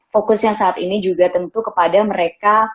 fokusnya saat ini juga tentu kepada mereka